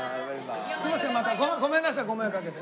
すいませんごめんなさいご迷惑かけて。